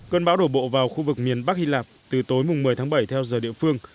cơn bão đổ bộ vào khu vực miền bắc hy lạp từ tối mùng một mươi tháng bảy theo giờ địa phương